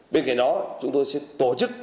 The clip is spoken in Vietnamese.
bên kia đó chúng tôi sẽ tổ chức